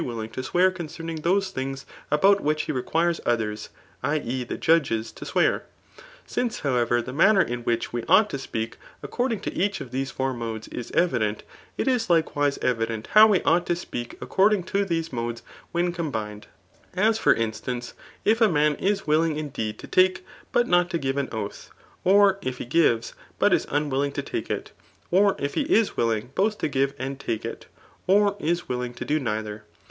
willing to swear concerning those things about which he requires others [i. e. the judges] to swean Since, however, the manner in which we ought to speak, according to each [of these four modes,] is evident, it is likewise evident how we ought to, speak according t^ these modes when combined ; as for instance, if a man is willing indeed to take, but not to give an oath; or if he gives, but is unwilling to take it ; or if he is willing both to give and take it; or is willing to do neither.